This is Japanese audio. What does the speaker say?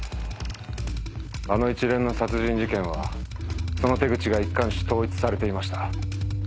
あの一連の殺人事件はその手口が一貫し統一されていました。